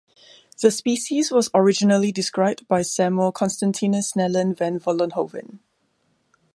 The species was originally described by Samuel Constantinus Snellen van Vollenhoven.